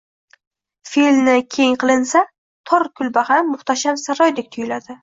Fe’lni keng qilinsa, tor kulba ham muhtasham saroydek tuyuladi.